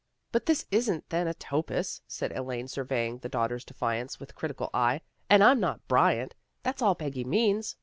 " But this isn't ' Thanatopsis,' " said Elaine, surveying " The Daughter's Defiance," with critical eye, " and I'm not Bryant. That's all Peggy means."